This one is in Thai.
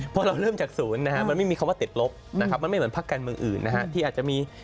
เพราะเราเริ่มจากศูนย์มันไม่มีคำว่าเต็ดลบมันไม่เหมือนพักการเมืองอื่นที่อาจจะมี